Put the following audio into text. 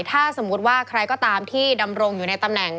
ถ้าสมมุติว่าใครก็ตามที่ดำรงอยู่ในตำแหน่ง